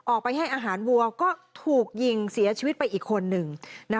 ออกไปให้อาหารวัวก็ถูกยิงเสียชีวิตไปอีกคนนึง